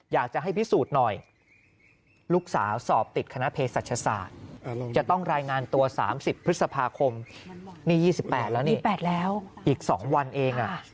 อยากจะให้พิสูจน์หน่อยลูกสาวสอบติดคณะเพศศาสตร์จะต้องรายงานตัว๓๐พฤษภาคมนี่๒๘แล้วนี่อีก๒วันเอง